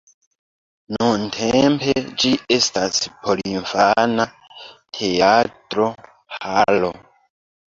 Nuntempe ĝi estas porinfana teatro-halo.